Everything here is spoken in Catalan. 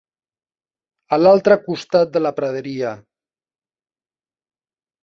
A l'altre costat de la praderia.